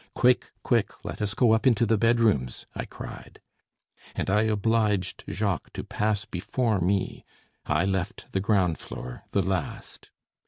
"Quick, quick, let us go up into the bedrooms," I cried. And I obliged Jacques to pass before me. I left the ground floor the last.